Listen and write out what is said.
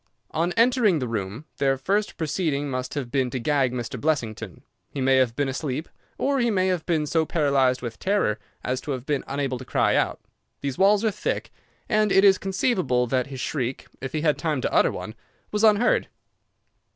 "On entering the room their first proceeding must have been to gag Mr. Blessington. He may have been asleep, or he may have been so paralyzed with terror as to have been unable to cry out. These walls are thick, and it is conceivable that his shriek, if he had time to utter one, was unheard.